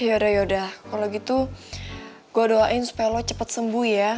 yaudah yaudah kalau gitu gue doain supaya lo cepat sembuh ya